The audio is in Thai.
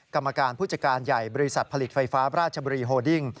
กรรมการผู้จัดการใหญ่บริษัทผลิตไฟฟ้าราชบุรีโฮดิ้ง